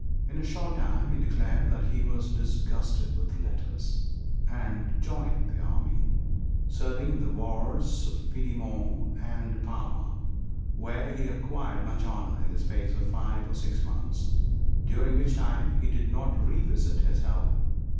In a short time he declared that he was disgusted with letters, and joined the army, serving in the wars of Piedmont and Parma, where he acquired much honor in the space of five or six months; during which time he did not revisit his home.